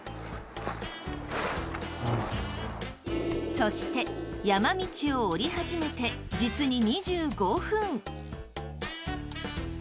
そして山道を下りはじめて実に２５分。